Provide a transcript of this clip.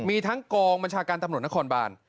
มีทั้งกองบัญชาการตำรวจนครบาน